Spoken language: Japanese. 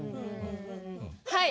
はい！